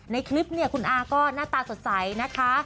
ในคลิปคุณอ่าก็หน้าตาสดใสนะคะ